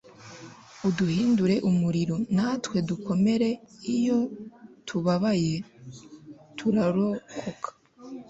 uduhindure umuriro, natwe dukomere. iyo tubabaye, turarokoka